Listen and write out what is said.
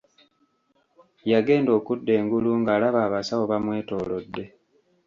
Yagenda okudda engulu ng'alaba abasawo bamwetoolodde.